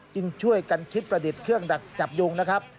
จึงช่วยกันคิดประดิษฐ์เครื่องดักจับยุงนะครับ